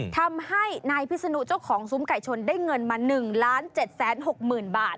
ทำให้นายพิศนุเจ้าของซุ้มไก่ชนได้เงินมา๑๗๖๐๐๐บาท